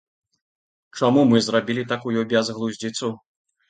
Чаму мы зрабілі такую бязглуздзіцу?